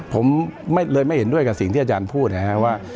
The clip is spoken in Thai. ผมเลยไม่เห็นด้วยกับสิ่งที่อาจารย์พูดนะครับว่า